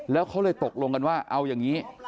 แล้วเขาเลยตกลงกันว่าเอาอย่างนี้